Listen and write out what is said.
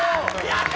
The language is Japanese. やった！